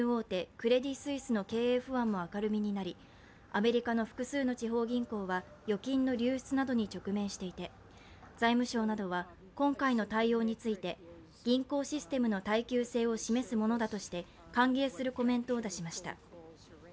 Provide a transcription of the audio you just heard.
クレディ・スイスの経営不安も明るみになりアメリカの複数の地方銀行は預金の流出などに直面していて財務省などは今回の対応について、銀行システムの耐久性を示すものだとして歓迎するコメントを出しました。